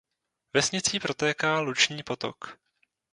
Vesnicí protéká Luční potok.